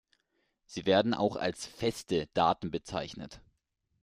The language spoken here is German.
Sie werden auch als "feste" Daten bezeichnet.